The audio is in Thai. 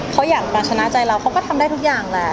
เขาอยากมาชนะใจเราเขาก็ทำได้ทุกอย่างแหละ